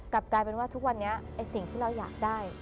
กลับกลายเป็นว่าทุกวันนี้ไอ้สิ่งที่เราอยากได้